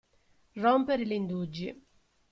Rompere gli indugi.